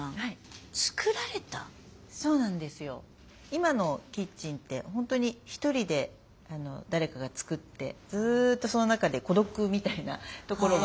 今のキッチンって本当に一人で誰かが作ってずっとその中で孤独みたいなところがあるんですけど。